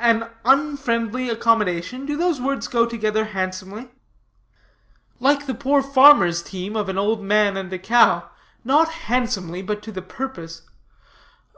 "An unfriendly accommodation? Do those words go together handsomely?" "Like the poor farmer's team, of an old man and a cow not handsomely, but to the purpose.